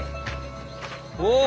おお！